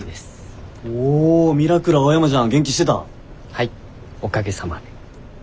はいおかげさまで。